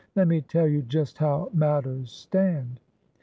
Let me tell you just how matters stand."